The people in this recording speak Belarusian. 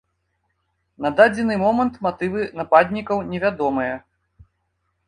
На дадзены момант матывы нападнікаў невядомыя.